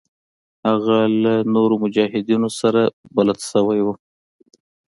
دلته له نورو مجاهدينو سره بلد سوى وم.